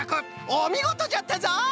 おみごとじゃったぞ！